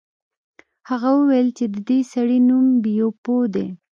هغه وویل چې د دې سړي نوم بیپو دی.